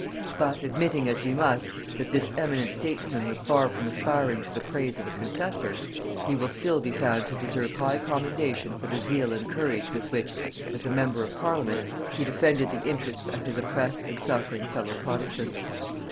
But admitting, as we must, that this eminent statesman was far from aspiring to the praise of a confessor, he will still be found to deserve high commendation for the zeal and courage with which, as a member of parliament, he defended the interests of his oppressed and suffering fellow protestants.